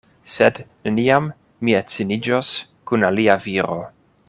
Sed neniam mi edziniĝos kun alia viro.